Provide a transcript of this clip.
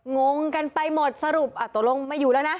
งงกันไปหมดสรุปตกลงไม่อยู่แล้วนะ